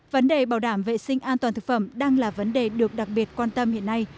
vấn đề bảo đảm vệ sinh an toàn thực phẩm đang là vấn đề được đặc biệt quan tâm hiện nay